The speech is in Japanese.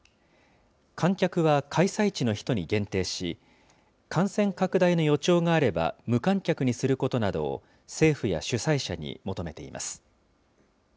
観客は開催地の人に限定し、感染拡大の予兆があれば、無観客にすることなどを、政府や主催者に求めています。